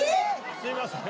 すいません。